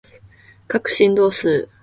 角振動数